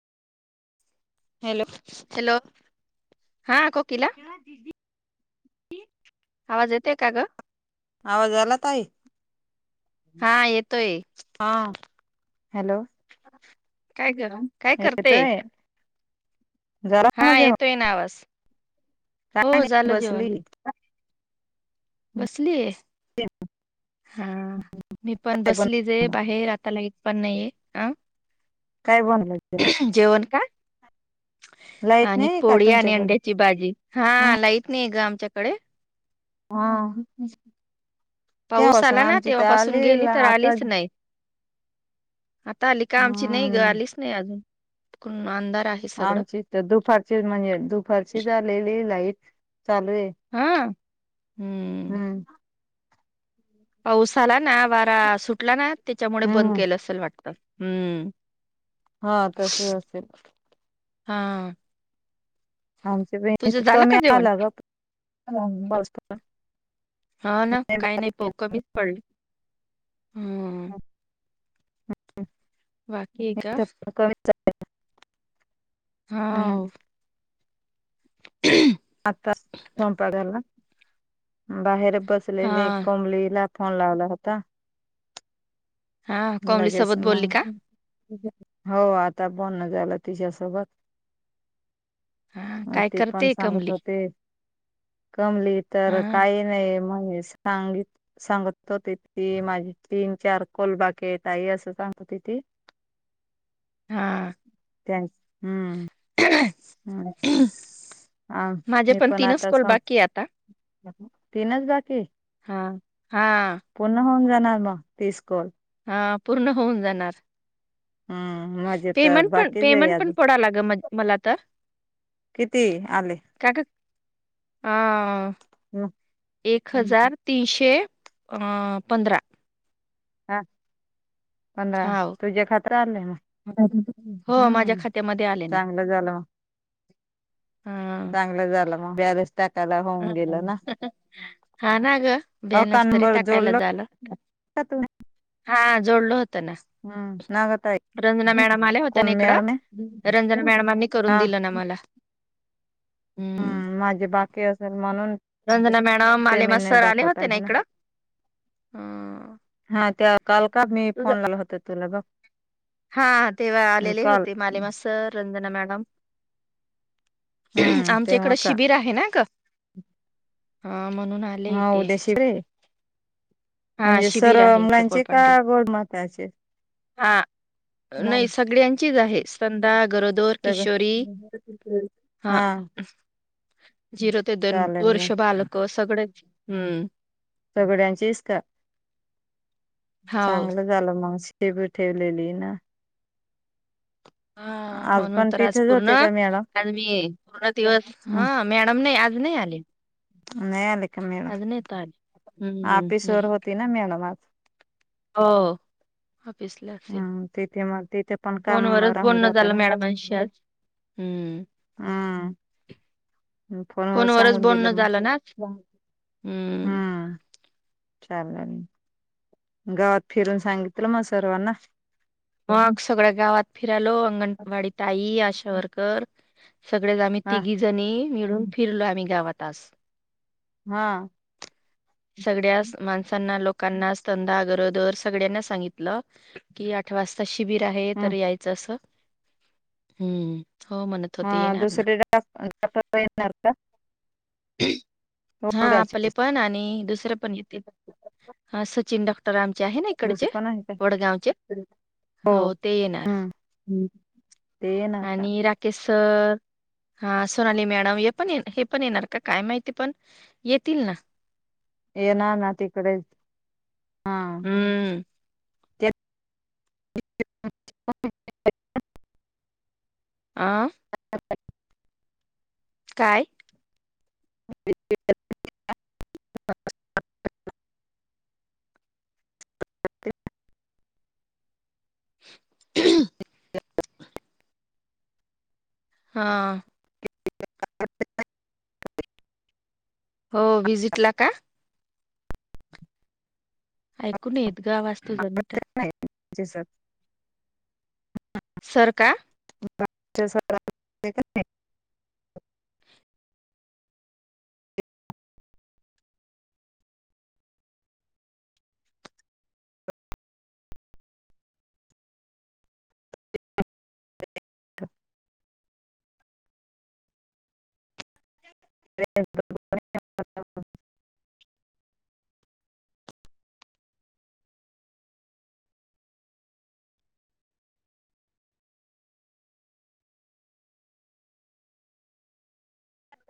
Hello hello, हां कोकिला. आवाज येतय का गं? आवाज आला ताई? हा येतोय हां. हॅलो काय कराव? काय करते? येतोय झाला हां माझे येतोय ना आवास. काय हो नाही झालं जेवण. बसली बसलीएस् [inaudible] हां, मी पण काय बन बसलीच ए बाहेर आता लाईट पण नाहीये. अं काय [unintelligible] का लाईट आणि नाही का पोडी आणि तुमच्याकडे अंड्याची बाजी. हां लाईत नाही गं आमच्याकडे. हां, काय पाऊस [unintelligible] आला ना आमचीत तेव्हापासून गेली आलील तर आता आलीच नाही आता आली का? आमची नाही गं हम्म आलीच नाही अजून, अंधार आहे सगळं आमची त दुपारची म्हणजे दुपारचीच आलेली लाईट चालू ए. [inaudible] हा हम्म पाऊस आला ना, वारा सुटला ना, त्याच्यामुळे बंद हम्म केलं असेल वाट तं हम्म हां तसं असेल. हां आमचं [unintelligible] कमी जेवण? आला गं [unintelligible] हो. पाऊस [unintelligible] हा, ना काही नाही, [unintelligible] कमीच पडलं बाकी का? कमी हा व. [unintelligible] आता [unintelligible] बाहेर हा बसलेले, [unintelligible] फोन लावला होता, हा कमली लगेच सोबत बोलली का? मग हो आता बोलणं झालं, तिच्या सोबत. हा अ काय ते पण करते सांगू. कमली? कमली हा तर काही नाही म्हण सांगी सांगत होती ती माझी तीन, चार [unintelligible] आई असं सांगते. [unintelligible] हा. [unintelligible] हम्म! हम् हा माझे मी पण तीनच आता कॉल सं बाकी आहे आता तीनच बाकी हा हा पूर्ण [unintelligible] हा पूर्ण होऊन, जाणार‌. हम्म! मजे तर बाकीच ये पेमेंट पण अजून. पडा लाग म मला तर किती आले? हा एक हजार तीनशे. अ पंधरा. हा, पधंरा हाव. तुझ्या खात्याव आलेय हो, माझ्या खात्यामध्ये आले ना. चांगलं झालं मग हा. चांगलं झालं मग ब्यालेस टाकायला होऊन गेलं ना. हा ना गं अ ब्यानस तरी कानबर टाकायला जोडलं झालं. का तुम्ही हा जोडल होतं हम्म [unintelligible] नागताई रंजना मॅडम आल्या होत्या, ना कोण इकडं मॅडम आहे रंजना मॅडमांनी करून दिलं ना मला. हम्म हम् माझ बाकी असं. रंजना मॅडम अलिमा नाही सर आले दाखवत होते, ना आहे इकडं. [unintelligible] हा त्या काल का मी तुझ फोन [unintelligible] होत तुला बघं. हा तेव्हा, आलेले होते. मालेमा सर रंजना मॅडम. हम्म आमच्या तेव्हा इकडं का शिबिर आहे ना गं. ह म्हणून आलेय हा इथे. उद्या शिबिर आहे हा म्हणजे, शिबिर सर आहे इथं मुलांचे का कोडपांडील गरोदर मातांचे. हा [inaudible] नाही सगळ्यांचीच आहे संदा गरोदर किशोरी [unintelligible] हा [inaudible] झिरो ते दोन चालेल मग वर्ष बालक सगळेच हम्म! सगळ्यांचीच का? हाव चांगलं झालं, मग शिबिर ठेवलेली ना. [unintelligible] म्हणून्, तर आज तिथेच पूर्ण, होते का मॅडम आज मी पूर्ण दिवस हम् हा मॅडम नाही आज नाही आले. नाही, आली का मॅडम. आज नाहीत आले. हम्म आपीसर नाही होती. ना मॅडम आज. हो. ऑफिसला असेल हम तेथ मग. ते पण काम फोनवरच राहून बोलणं जात झालं ना मॅडमांशी आज हम्म हम्म! फोन वर फोनवरच सांगून दिलं बोलणं मग झालं ना आज हम्म! चांगलय गावात फिरून सांगितलं मग सर्वांना. मग सगळ्या गावात फिरालो अंगणवाडी ताई, आशा वर्कर. सगळेच आम्ही हा तिघी जणी मिळून फिरलो आम्ही गावात आज. हा सगळ्याच माणसांना, लोकांना, स्तनदा, गरोदर सगळ्यांना सांगितलं की आठ वाजता शिबिर आहे तर हम् यायचं असं. हम्म... हो म्हणत हा होते येणार ना. दुसरे- ड- डॉक्टर येणार का? [inaudible] हा ओळगावचे आपले पण आणि दुसरे प पण येते सचिन डॉक्टर आमचे आहे ना दुसरे इकडचे पण आहे का वडगावचे. हो ते येणार हम् ते येणार का आणि राकेश सर हा सोनाली मॅडम हे पण ये -हे पण येणार का काय माहिती पण येतील ना. येनार ना तिकडेच हम्म [unintelligible] आ [unintelligible] काय? [unintelligible] [inaudible] हा [unintelligible] हो व्हिजीटला का? ऐकून नाही येत गं आवाज तुझा मोठा जी सर सर का? [unintelligible] [unintelligible] [unintelligible]